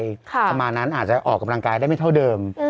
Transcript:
ประมาณนั้นอาจจะออกกำลังกายได้ไม่เท่าเดิม